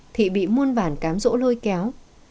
thị bị muôn vàn cám dỗ lôi kéo